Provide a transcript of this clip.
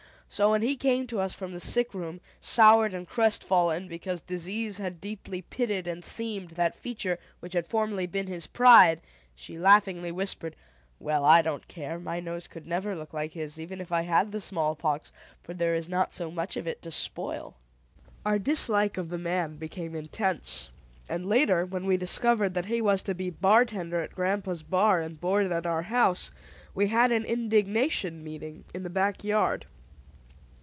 So when he came to us from the sick room, soured and crestfallen because disease had deeply pitted and seamed that feature which had formerly been his pride, she laughingly whispered, "Well, I don't care, my nose could never look like his, even if I had the smallpox, for there is not so much of it to spoil." Our dislike of the man became intense; and later, when we discovered that he was to be bartender at grandpa's bar, and board at our house, we held an indignation meeting in the back yard.